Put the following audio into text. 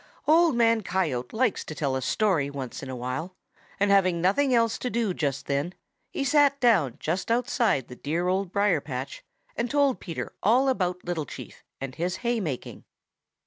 Old Man Coyote likes to tell a story once in a while, and having nothing else to do just then, he sat down just outside the dear Old Briar patch and told Peter all about Little Chief and his hay making.